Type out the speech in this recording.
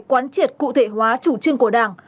quán triệt cụ thể hóa chủ trương của đảng